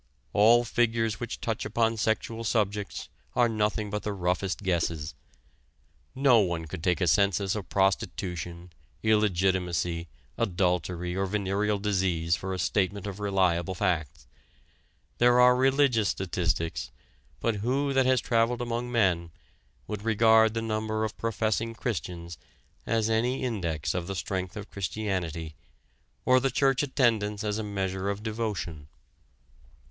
All figures which touch upon sexual subjects are nothing but the roughest guesses. No one would take a census of prostitution, illegitimacy, adultery, or venereal disease for a statement of reliable facts. There are religious statistics, but who that has traveled among men would regard the number of professing Christians as any index of the strength of Christianity, or the church attendance as a measure of devotion?